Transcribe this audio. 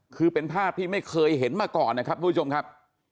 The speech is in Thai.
คือเป็นภาพที่ไม่เคยเห็นมาก่อนนะครับทุกผู้ชมครับ